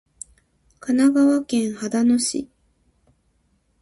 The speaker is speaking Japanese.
神奈川県秦野市